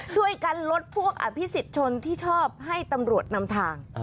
ช่วยกันลดพวกอภิษฎชนที่ชอบให้ตำรวจนำทาง